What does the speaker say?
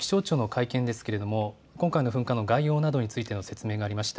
今の気象庁の会見ですけれども今回の噴火の概要についての説明がありました。